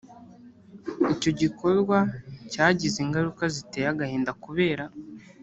icyo gikorwa cyagize ingaruka ziteye agahinda kubera